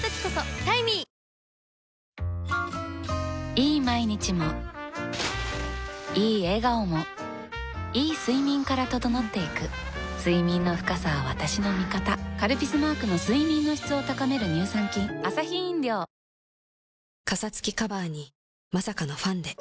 いい毎日もいい笑顔もいい睡眠から整っていく睡眠の深さは私の味方「カルピス」マークの睡眠の質を高める乳酸菌かさつきカバーにまさかのファンデ。